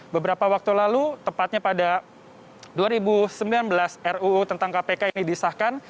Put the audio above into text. beberapa waktu lalu tepatnya pada dua ribu sembilan belas ruu tentang kpk ini disahkan